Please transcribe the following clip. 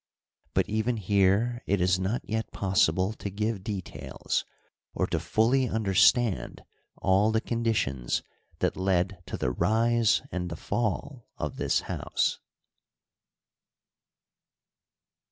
But even here it is not yet pos sible to give details, or to fully understand all the condi tions that led to the rise and the fall of this house.